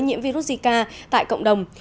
nhiễm virus zika tại cộng đồng